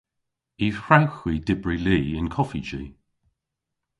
Y hwrewgh hwi dybri li yn koffiji.